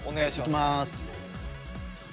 いきます。